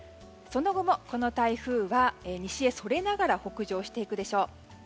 その後も、この台風は西へそれながら北上していくでしょう。